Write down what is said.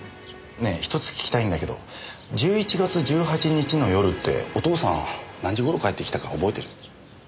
ねえひとつ聞きたいんだけど１１月１８日の夜ってお父さん何時頃帰ってきたか覚えてる？